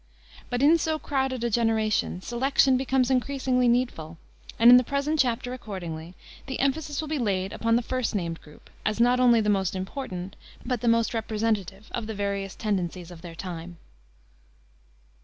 But in so crowded a generation, selection becomes increasingly needful, and in the present chapter, accordingly, the emphasis will be laid upon the first named group as not only the most important, but the most representative of the various tendencies of their time.